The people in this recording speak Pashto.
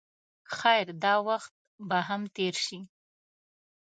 خیر دا وخت به هم تېر شي.